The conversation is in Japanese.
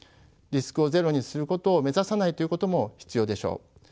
リスクをゼロにすることを目指さないということも必要でしょう。